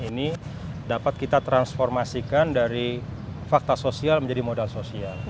ini dapat kita transformasikan dari fakta sosial menjadi modal sosial